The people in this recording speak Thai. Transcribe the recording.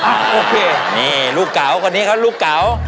อ่ะโอเคนี่ลูกเก่าคนนี้ครับลูกเก่าค่ะ